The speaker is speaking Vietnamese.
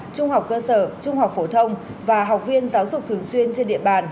trung học cơ sở trung học phổ thông và học viên giáo dục thường xuyên trên địa bàn